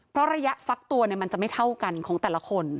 เพราะระยะฟักตัวมันจะไม่เท่ากันของแต่ละคน